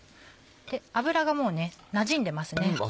油がもうねなじんでますね。